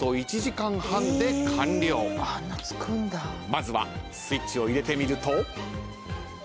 まずはスイッチを入れてみると。